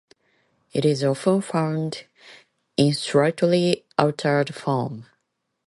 It is often found in slightly altered form.